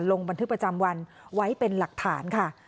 ลงบันทึกประจำวันไว้เป็นหลักฐานค่ะ